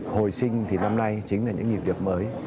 hồi sinh thì năm nay chính là những nhịp điểm mới